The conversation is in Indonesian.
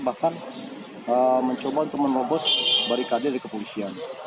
bahkan mencoba untuk menerobos barikade dari kepolisian